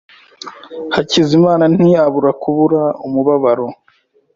Hakizimana ntiyabura kubura umubabaro.